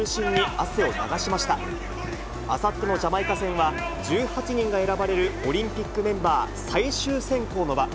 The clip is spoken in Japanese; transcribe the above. あさってのジャマイカ戦は、１８人が選ばれるオリンピックメンバー最終選考の場。